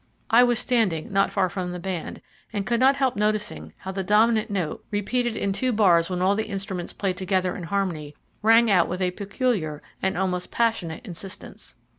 I was standing not far from the band, and could not help noticing how the dominant note, repeated in two bars when all the instruments played together in harmony, rang out with a peculiar and almost passionate insistence.